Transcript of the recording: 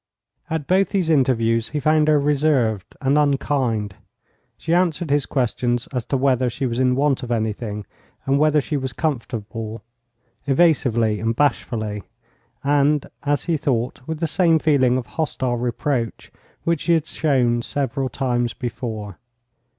At both these interviews he found her reserved and unkind. She answered his questions as to whether she was in want of anything, and whether she was comfortable, evasively and bashfully, and, as he thought, with the same feeling of hostile reproach which she had shown several times before.